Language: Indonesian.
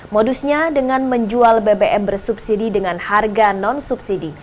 modusnya dengan menjual bbm bersubsidi dengan harga non subsidi